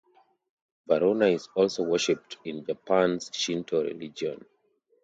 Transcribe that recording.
Varuna is also worshipped in Japan's Shinto religion.